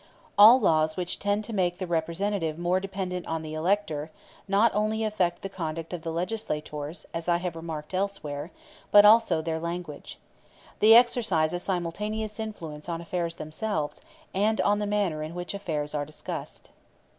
All laws which tend to make the Representative more dependent on the elector, not only affect the conduct of the legislators, as I have remarked elsewhere, but also their language. They exercise a simultaneous influence on affairs themselves, and on the manner in which affairs are discussed.